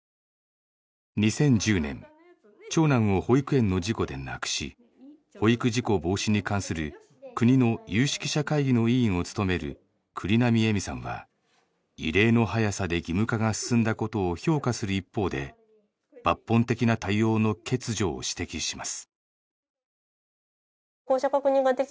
２０１０年長男を保育園の事故で亡くし保育事故防止に関する国の有識者会議の委員を務める栗並えみさんは異例の早さで義務化が進んだことを評価する一方で抜本的な対応の欠如を指摘します。